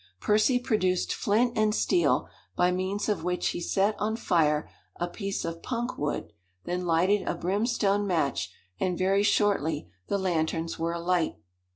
Percy produced flint and steel, by means of which he set on fire a piece of punk wood, then lighted a brimstone match, and very shortly the lanterns were alight.